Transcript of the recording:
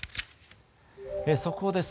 速報です。